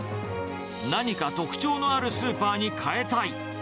何か特徴のあるスーパーに変えたい。